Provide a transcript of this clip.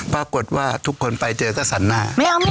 ปรากฏว่าทุกคนไปเจอก็สันหน้า